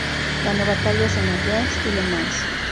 Ganó batallas en Orleans y Le Mans.